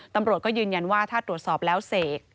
ตำรวจก็ยืนยันว่าถ้าตรวจสอบแล้วเสก